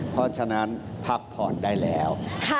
เพราะฉะนั้นพักผ่อนได้แล้ว